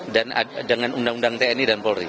dan dengan undang undang tni dan polri